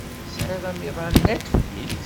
Tesɛiḍ amiḍan Netflix?